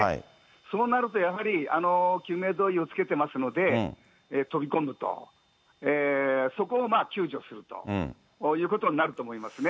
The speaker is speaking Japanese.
そうなるとやはり、救命胴衣をつけてますので、飛び込むと、そこを救助するということになると思いますね。